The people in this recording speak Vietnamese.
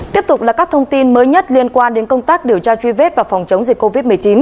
tiếp tục là các thông tin mới nhất liên quan đến công tác điều tra truy vết và phòng chống dịch covid một mươi chín